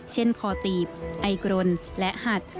คอตีบไอกรนและหัด